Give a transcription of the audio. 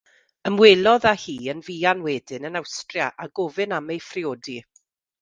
Ymwelodd â hi yn fuan wedyn yn Awstria a gofyn am ei phriodi.